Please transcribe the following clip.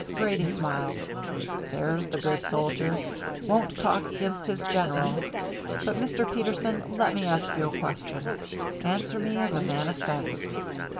Grady smiled. "There's the good soldier. Won't talk against his general. But, Mr. Peterson, let me ask you a question; answer me as a man of sense.